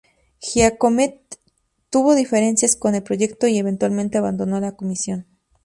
Giacometti tuvo diferencias con el proyecto, y eventualmente abandonó la comisión.